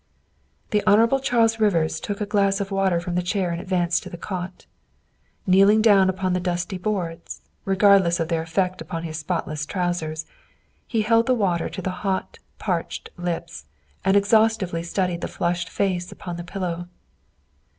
The Hon. Charles Rivers took a glass of water from the chair and advanced to the cot. Kneeling down upon the dusty boards, regardless of their effect upon his spotless trousers, he held the water to the hot, parched lips, and exhaustively studied the flushed face upon the pillow.